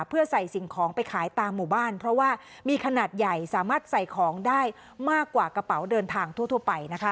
เพื่อใส่สิ่งของไปขายตามหมู่บ้านเพราะว่ามีขนาดใหญ่สามารถใส่ของได้มากกว่ากระเป๋าเดินทางทั่วไปนะคะ